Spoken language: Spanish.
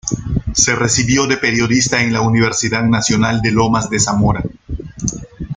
Se recibió de periodista en la Universidad Nacional de Lomas de Zamora.